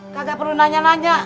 gagak perlu nanya nanya